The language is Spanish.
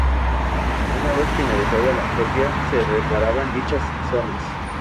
Una vez finalizada la copia, se reparaban dichas zonas.